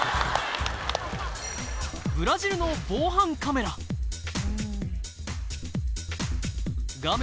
ブラジルの防犯カメラ画面